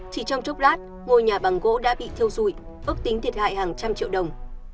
chỉ trong chốc lát ngôi nhà bằng gỗ đã bị thiêu dụi ước tính thiệt hại hàng trăm triệu đồng